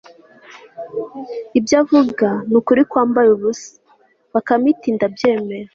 ibyo avuga ni ukuri kwambaye ubusa! bakame iti ndabyemera